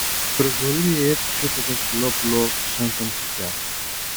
Η προσβολή έτσουξε το Βασιλόπουλο σαν καμτσικιά.